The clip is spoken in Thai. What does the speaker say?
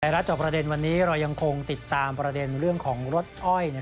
รัฐจอบประเด็นวันนี้เรายังคงติดตามประเด็นเรื่องของรถอ้อย